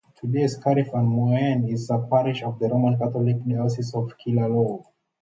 Today Scariff and Moynoe is a parish of the Roman Catholic Diocese of Killaloe.